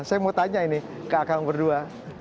saya mau tanya ini ke akang berdua